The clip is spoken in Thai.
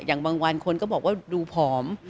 อย่างบางวันคนก็บอกว่าดูผอม